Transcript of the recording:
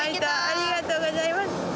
ありがとうございます。